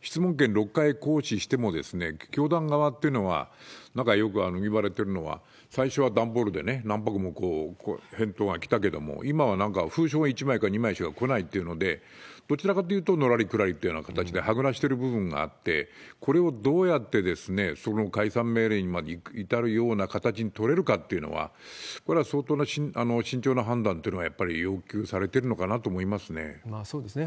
質問権６回行使しても、教団側というのは、なんかよくいわれてるのは、最初は段ボールで何箱も返答が来たけれども、今はなんか、封書が１枚か２枚しか来ないっていうので、どちらかというと、のらりくらりという形ではぐらかしているような形で、これをどうやって、その解散命令にまで至る形を取れるのかっていうのは、これは相当に慎重な判断っていうのが、やっぱり要求されてるのかそうですね。